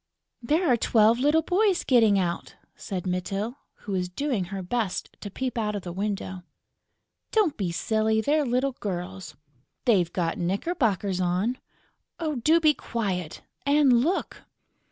"There are twelve little boys getting out!" said Mytyl, who was doing her best to peep out of the window. "Don't be silly!... They're little girls...." "They've got knickerbockers on...." "Do be quiet!... And look!..."